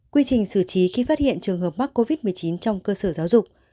quy trình xử trí khi phát hiện trường hợp mắc covid một mươi chín trong cơ sở giáo dục